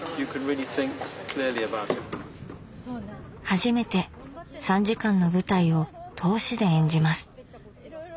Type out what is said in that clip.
初めて３時間の舞台を通しで演じます。